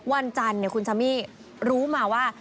วันจันทร์คุณซามี่รู้มาว่า